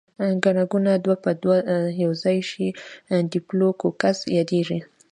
کوکونه دوه په دوه یوځای شي ډیپلو کوکس یادیږي.